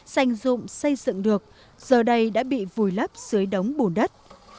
xanh rụm xây dựng được giờ đây đã bị vùi lấp dưới đống bù đất